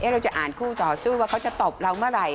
เราจะอ่านคู่ต่อสู้ว่าเขาจะตบเราเมื่อไหร่